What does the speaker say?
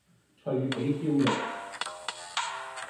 脆皮燒肉